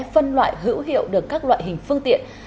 phân loại hữu hiệu được các loại hình phương tiện